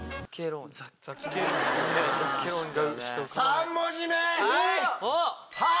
３文字目。